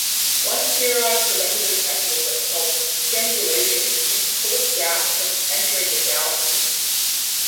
One theorized preventive mechanism called "strangulation" keeps cold gas from entering the galaxy.